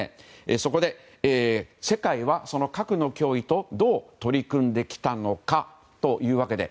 そこで、世界は核の脅威とどう取り組んできたのかというわけで。